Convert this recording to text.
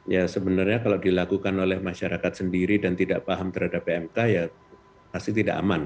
ya sebenarnya kalau dilakukan oleh masyarakat sendiri dan tidak paham terhadap pmk ya pasti tidak aman